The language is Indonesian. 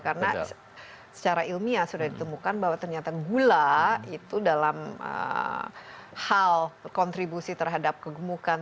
karena secara ilmiah sudah ditemukan bahwa ternyata gula itu dalam hal kontribusi terhadap kegemukan